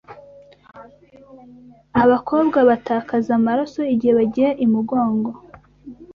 abakobwa batakaza amaraso igihe bagiye imugongo